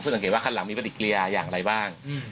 เพื่อเห็นว่าข้างหลังมีปฏิกิริยาอย่างไรบ้าง